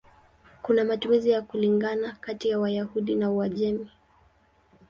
Kuna matumizi ya kulingana kati ya Wayahudi wa Uajemi.